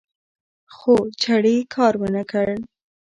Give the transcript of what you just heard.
خو چړې کار ونکړ